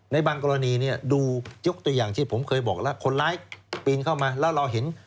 ในบางกรณีเนี่ยดูยกตัวอย่างที่ผมเคยบอกแล้วคนร้ายปีนเข้ามาแล้วเราเห็น